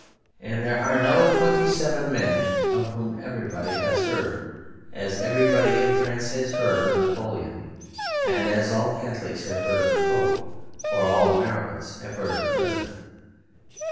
And there are no twenty seven men of whom everybody has heard as everybody in France had heard of Napoleon, as all Catholics have heard of the Pope or all Americans have heard of the President.